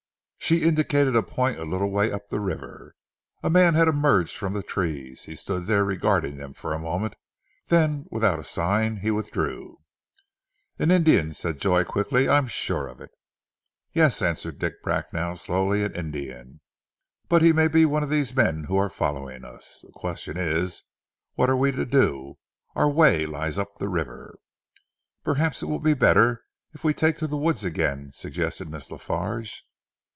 She indicated a point a little way up the river. A man had emerged from the trees. He stood there regarding them for a moment, then without a sign he withdrew. "An Indian," said Joy quickly. "I am sure of it!" "Yes," answered Dick Bracknell slowly, "an Indian. But he may be one of these men who are following us. The question is, what are we to do? Our way lies up river." "Perhaps it will be better if we take to the woods again," suggested Miss La Farge.